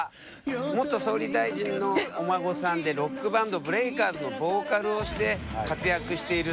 元総理大臣のお孫さんでロックバンドＢＲＥＡＫＥＲＺのボーカルをして活躍しているんだよね。